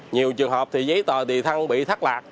nhiều trường hợp thì giấy tờ tì thăng bị thắt lạc